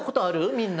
みんな。